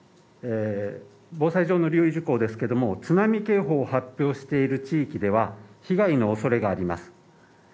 防災上の留意事項ですけども、津波警報を発表している地域では、被害の恐れがあります。